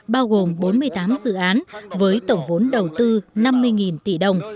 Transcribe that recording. bao gồm bốn mươi tám dự án với tổng vốn đầu tư năm mươi tỷ đồng